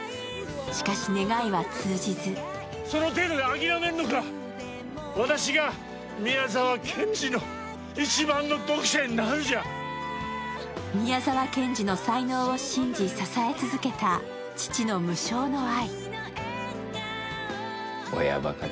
しかし願いは通じず宮沢賢治の才能を信じ、支え続けた父の無償の愛。